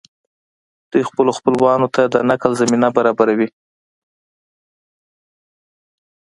دوی خپلو خپلوانو ته د نقل زمینه برابروي